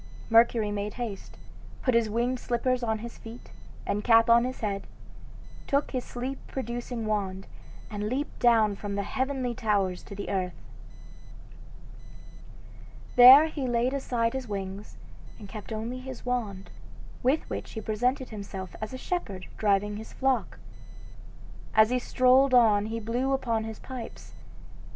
Mercury made haste, put his winged slippers on his feet, and cap on his head, took his sleep producing wand, and leaped down from the heavenly towers to the earth. There he laid aside his wings, and kept only his wand, with which he presented himself as a shepherd driving his flock. As he strolled on he blew upon his pipes.